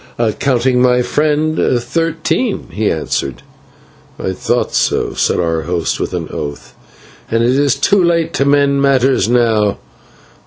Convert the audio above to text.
"Counting my friend, thirteen," he answered. "I thought so," said our host, with an oath, "and it is too late to mend matters now.